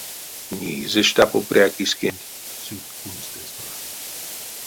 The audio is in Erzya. Неизе штапо пря киськенть — цють кунст эзь пра.